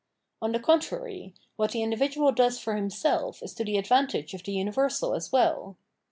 On the contrary, what the individual does for himself is to the advantage of the Conscience 657 universal as ■well.